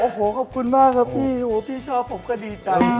โอ้โหขอบคุณมากครับพี่ชอบผมก็ดีใจ